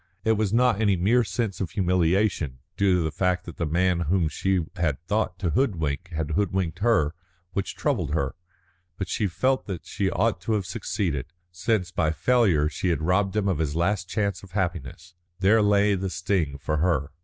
It was not any mere sense of humiliation, due to the fact that the man whom she had thought to hoodwink had hoodwinked her, which troubled her. But she felt that she ought to have succeeded, since by failure she had robbed him of his last chance of happiness. There lay the sting for her.